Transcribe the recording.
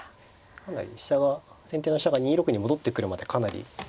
かなり先手の飛車が２六に戻ってくるまでかなり。